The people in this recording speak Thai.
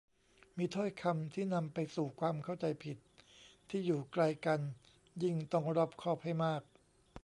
มีถ้อยคำที่นำไปสู่ความเข้าใจผิด ที่อยู่ไกลกันยิ่งต้องรอบคอบให้มาก